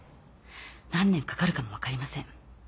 何年かかるかも分かりません。